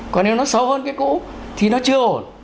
còn nếu nó xấu hơn cái cũ thì nó chưa ổn